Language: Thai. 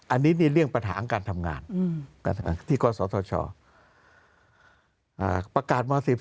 อันนี้นี่เรื่องปัญหาของการทำงานที่กศธชประกาศม๑๔